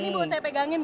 ini bu saya pegangin bu